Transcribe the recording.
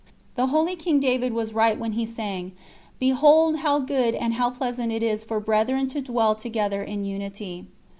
The holy King David was right when he sang: "Behold how good and how pleasant it is for brethren to dwell together in unity."